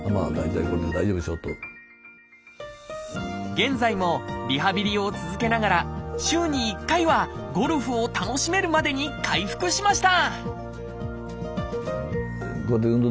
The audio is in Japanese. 現在もリハビリを続けながら週に１回はゴルフを楽しめるまでに回復しました！